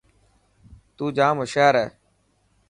تون ڄام هوشيار هي.